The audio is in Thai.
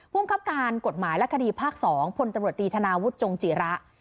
ผู้บังคับการกฎหมายและคดีภาค๒พลตรวจดีธนาวุธจงจิระ